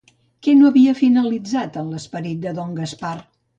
Què no havia finalitzat en l'esperit de don Gaspar?